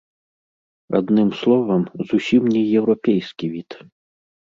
Адным словам, зусім не еўрапейскі від.